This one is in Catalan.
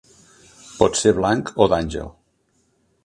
Pot ser blanc o d'àngel.